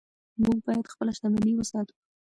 موږ باید خپله شتمني وساتو.